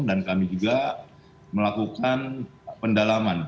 dan kami juga melakukan pendalaman